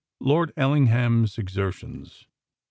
LORD ELLINGHAM'S EXERTIONS.